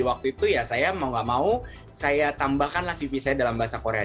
waktu itu ya saya mau gak mau saya tambahkanlah cv saya dalam bahasa korea